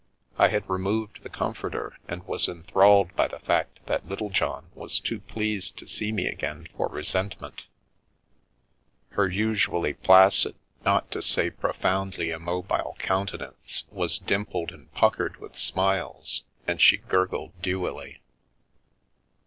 I had re moved the " comforter " and was enthralled by the fact that Littlejohn was too pleased to see me again for resentment Her usually placid, not to say profoundly immobile countenance, was dimpled and puckered with smiles, and she gurgled dewily.